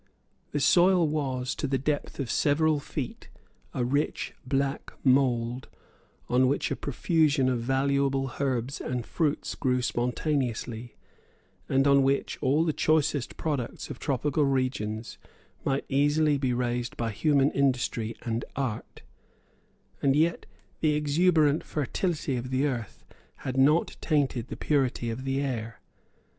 The soil was, to the depth of several feet, a rich black mould, on which a profusion of valuable herbs and fruits grew spontaneously, and on which all the choicest productions of tropical regions might easily be raised by human industry and art; and yet the exuberant fertility of the earth had not tainted the purity of the air.